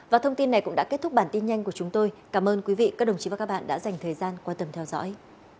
và thông tin này cũng đã kết thúc bản tin nhanh của chúng tôi cảm ơn quý vị và các đồng chí đã dành thời gian quan tâm theo dõi